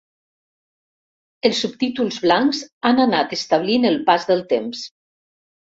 Els subtítols blancs han anat establint el pas del temps.